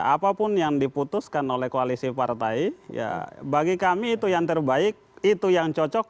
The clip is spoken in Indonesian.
apapun yang diputuskan oleh koalisi partai ya bagi kami itu yang terbaik itu yang cocok